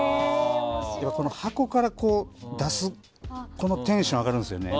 箱から出すのがテンション上がるんですよね。